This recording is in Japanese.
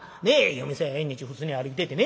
夜店や縁日普通に歩いててね